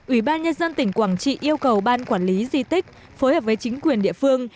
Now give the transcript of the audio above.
ubnd tỉnh quảng trị yêu cầu ban quản lý di tích phối hợp với chính quyền địa phương